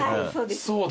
そうだ。